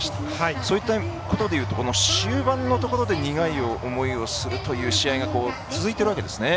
そういったことでいうと終盤のところで苦い思いをするという試合が続いているわけですね。